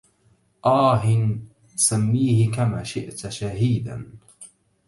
آه سميه كما شئت شهيدا